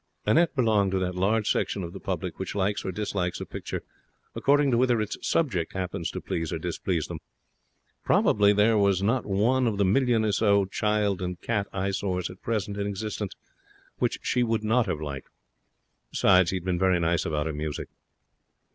Annette belonged to that large section of the public which likes or dislikes a picture according to whether its subject happens to please or displease them. Probably there was not one of the million or so child and cat eyesores at present in existence which she would not have liked. Besides, he had been very nice about her music.